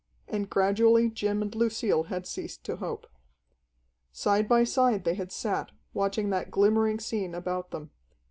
And gradually Jim and Lucille had ceased to hope. Side by side they had sat, watching that glimmering scene about them.